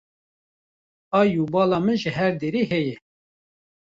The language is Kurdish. Hay û bala min ji her derê heye